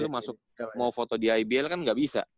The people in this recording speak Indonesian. lo mau foto di ibl kan gak bisa